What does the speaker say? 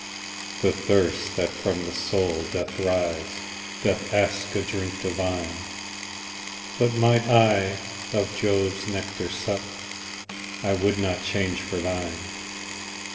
The thirst that from the soul doth rise, Doth ask a drink divine: But might I of Jove's nectar sup, I would not change for thine.